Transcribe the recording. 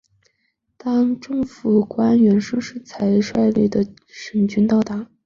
当政府官员盛世才率领的省军到达。